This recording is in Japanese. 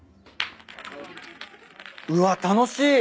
うわ楽しい。